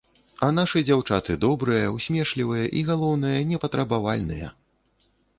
А нашы дзяўчаты добрыя, усмешлівыя і, галоўнае, непатрабавальныя.